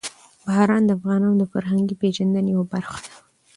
باران د افغانانو د فرهنګي پیژندنې یوه برخه ده.